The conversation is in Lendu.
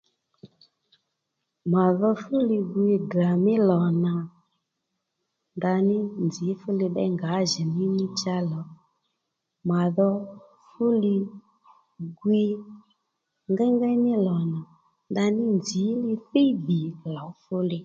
Mà dho fú li gwiy Ddrà mí lò nà ndaní nzǐ fúli ddéy ngǎjìní chá lò mà dho fú li gwiy ngengéy ní lò nà ndaní nzǐ li thíy dhì lǒw fú li